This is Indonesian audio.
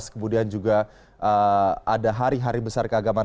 kemudian juga ada hari hari besar keagaman lent